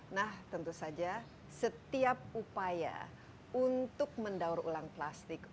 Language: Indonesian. nah tentu saja setiap upaya untuk mendaur ulang plastik